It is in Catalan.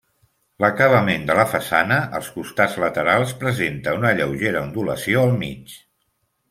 L'acabament de la façana, als costats laterals, presenta una lleugera ondulació al mig.